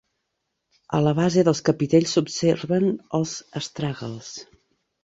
A la base dels capitells s'observen els astràgals.